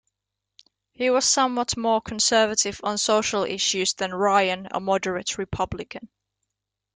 He was somewhat more conservative on social issues than Ryan, a moderate Republican.